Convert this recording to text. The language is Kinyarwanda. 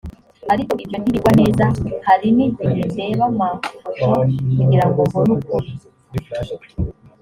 ariko ibyo ntibingwa neza hari n igihe ndeba amafoto kugirago mbone ukuri